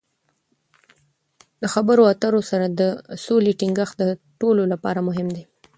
د خبرو اترو سره د سولې ټینګښت د ټولو لپاره مهم دی.